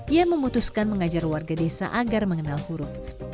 ia memutuskan mengajar warga desa agar mengenal huruf